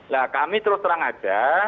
nah kami terus terang aja